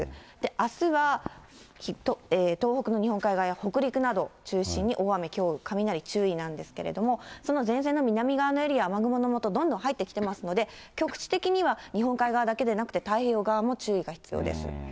あすは東北の日本海側や北陸などを中心に、大雨、雷注意なんですけれども、その前線の南側のエリア、雨雲のもと、どんどん入ってきてますので、局地的には日本海側だけでなくて、太平洋側も注意が必要です。